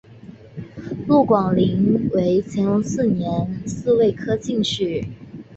陆广霖为乾隆四年己未科进士。